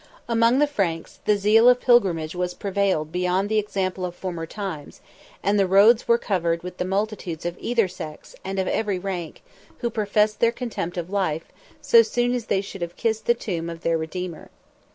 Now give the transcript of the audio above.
Among the Franks, the zeal of pilgrimage prevailed beyond the example of former times: and the roads were covered with multitudes of either sex, and of every rank, who professed their contempt of life, so soon as they should have kissed the tomb of their Redeemer.